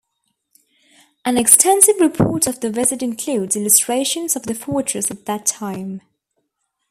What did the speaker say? An extensive report of the visit includes illustrations of the fortress at that time.